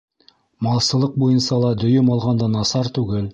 Малсылыҡ буйынса ла дөйөм алғанда насар түгел.